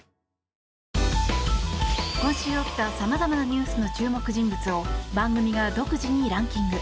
今週起きた様々なニュースの注目人物を番組が独自にランキング。